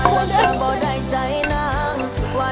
โน๊กตลอดยังไง